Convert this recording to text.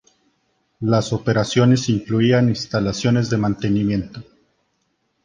Las operaciones incluían instalaciones de mantenimiento.